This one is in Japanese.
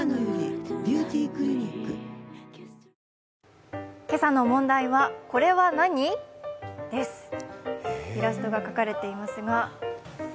わぁ今朝の問題はこちらです、イラストが描かれています。